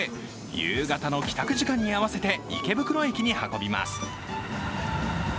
夕方の帰宅時間に合わせて池袋駅に運びます。